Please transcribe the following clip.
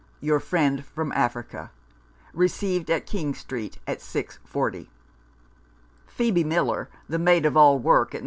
— Your friend from Africa. Received at King Street at 6.40." Phcebe Miller, the maid of all work at No.